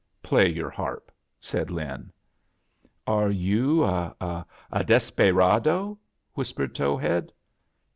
"Play yotfl harp," said Lin. "Are you a — a desperaydo?" whispered Towhead.